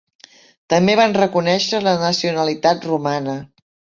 També van reconèixer la nacionalitat romana.